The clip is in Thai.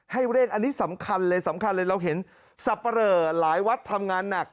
ให้เร่งอันนี้สำคัญเลยสำคัญเลยเราเห็นสับปะเหลอหลายวัดทำงานหนัก